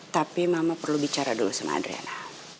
tapi mama perlu bicara dulu sama adrena